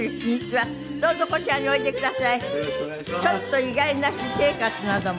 ちょっと意外な私生活なども。